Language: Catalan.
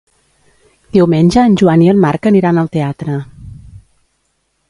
Diumenge en Joan i en Marc aniran al teatre.